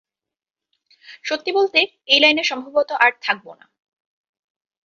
সত্যি বলতে, এই লাইনে সম্ভবত আর থাকবো না।